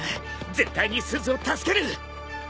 絶対にすずを助ける！